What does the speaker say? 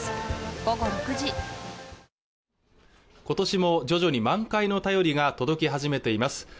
今年も徐々に満開の便りが届き始めています